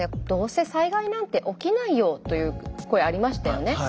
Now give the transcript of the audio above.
「どうせ災害なんて起きないよ」という声ありましたよね？